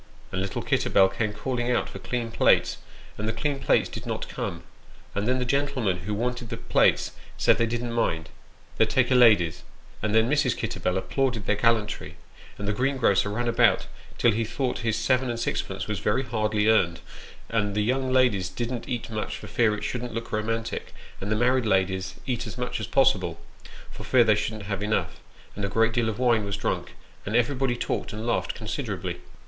And little Kitterbell kept calling out for clean plates, and the clean plates did not come : and then the gentlemen who wanted the plates said they didn't mind, they'd take a lady's ; and then Mrs. Kitterbell applauded their gallantry, and the greengrocer ran about till he thought his seven and sixpence was very hardly earned; and the young ladies didn't eat much for fear it shouldn't look romantic, and the married ladies eat as much as possible, for fear they shouldn't have enough ; and a great deal of wine was drunk, and everybody talked and laughed con siderably.